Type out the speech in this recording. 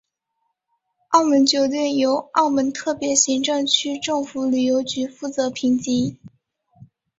澳门酒店由澳门特别行政区政府旅游局负责评级。